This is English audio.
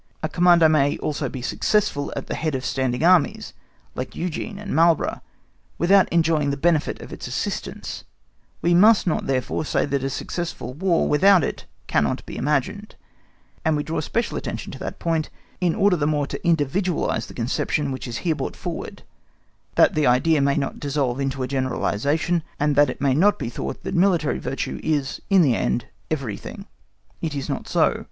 A Commander may also be successful at the head of standing Armies, like Eugene and Marlborough, without enjoying the benefit of its assistance; we must not, therefore, say that a successful War without it cannot be imagined; and we draw especial attention to that point, in order the more to individualise the conception which is here brought forward, that the idea may not dissolve into a generalisation and that it may not be thought that military virtue is in the end everything. It is not so.